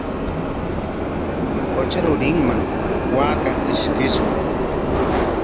Qutra rurinman waakaa ishkishqa.